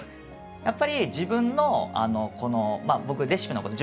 やっぱり自分のこの僕レシピのこと